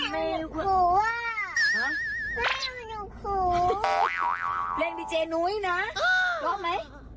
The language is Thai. มันอยู่ขู่เหอะ